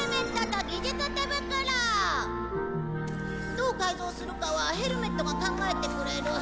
どう改造するかはヘルメットが考えてくれる。